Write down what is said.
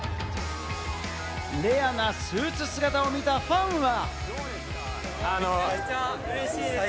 レアなスーツ姿を見たファンは。